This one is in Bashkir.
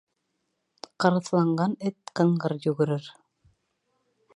Ҡырыҫланған эт ҡыңғыр йүгерер.